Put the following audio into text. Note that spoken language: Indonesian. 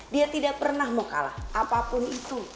dia tidak pernah mau kalah apapun itu